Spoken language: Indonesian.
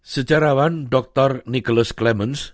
sejarawan dr nicholas clemens